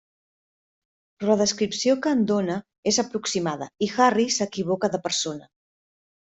Però la descripció que en dóna és aproximada i Harry s'equivoca de persona.